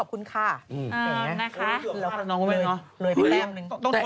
แล้วเกือบค่าแล้วน้องว่าไงเนอะ